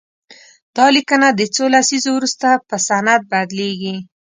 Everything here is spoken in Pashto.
دا لیکنه د څو لسیزو وروسته په سند بدليږي.